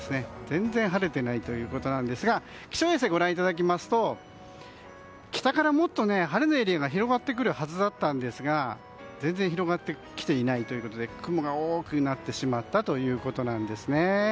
全然晴れてないということなんですが気象衛星をご覧いただきますと北からもっと晴れのエリアが広がってくるはずだったんですが全然、広がってきていないということで雲が多くなってしまったということなんですね。